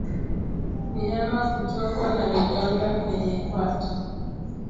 Mnyama kutokwa na vidonda kwenye kwato